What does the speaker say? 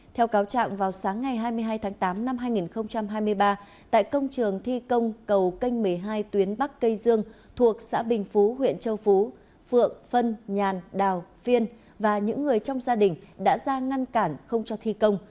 theo cáo trạng vào sáng ngày hai mươi hai tháng tám năm hai nghìn hai mươi ba tại công trường thi công cầu canh một mươi hai tuyến bắc cây dương thuộc xã bình phú huyện châu phú phượng phân nhàn đào phiên và những người trong gia đình đã ra ngăn cản không cho thi công